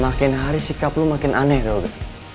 makin hari sikap lu makin aneh yoga